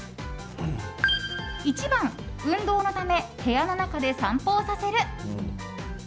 １番、運動のため部屋の中で散歩をさせる。